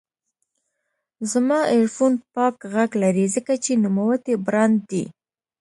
زما ایرفون پاک غږ لري، ځکه چې نوموتی برانډ دی.